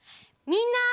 みんな！